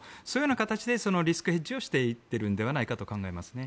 そういう形でリスクヘッジをしていっているのではないかと。